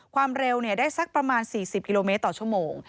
ความเร็วได้สักประมาณ๔๐กิโลเมตรต่อชั่วโมง